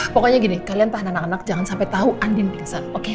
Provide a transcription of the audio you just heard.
pokoknya gini kalian tahan anak anak jangan sampai tau anin pingsan oke